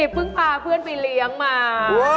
เพิ่งพาเพื่อนไปเลี้ยงมา